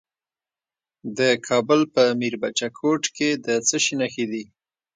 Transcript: د کابل په میربچه کوټ کې د څه شي نښې دي؟